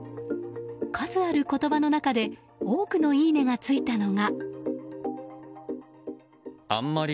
数ある言葉の中で多くのいいねがついたのが。